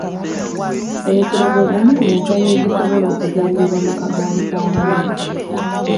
Ensero gw'egumu ku mizannyo egisobola okuzannyibwa mu kagaali k'abalema.